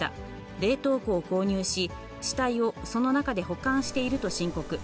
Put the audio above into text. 冷凍庫を購入し、死体をその中で保管していると申告。